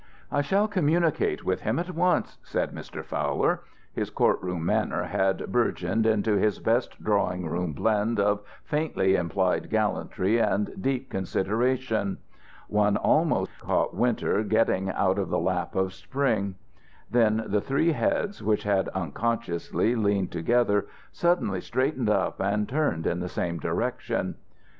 "I shall communicate with him at once," said Mr. Fowler. His court room manner had bourgeoned into his best drawing room blend of faintly implied gallantry and deep consideration. One almost caught Winter getting out of the lap of Spring. Then the three heads which had unconsciously leaned together suddenly straightened up and turned in the same direction.